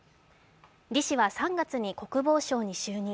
李氏は３月に国防相に就任。